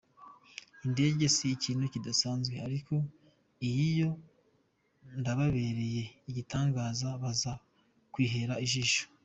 Indege si ikintu kidasanzwe , ariko iyiyo yababereye igitangaza baza kwihera ijisho.